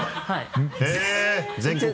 はい。